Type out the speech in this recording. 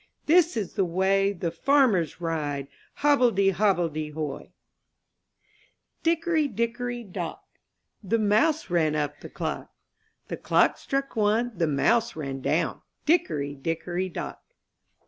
This is the way the farmers ride, Hobbledy hobbledy hoy ! MY BOOK HOUSE jP\ICKORY, dickory, dock ! the mouse ran up •*^ the clock; '^ The clock struck one, the mouse ran down, Dickory, dickory, dock!